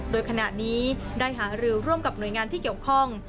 โดยขณะนี้ได้หารือร่วมกับหน่วยงานที่เกี่ยวข้อง